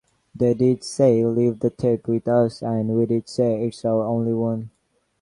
They'd say 'leave the tape with us' and we'd say 'it's our only one'.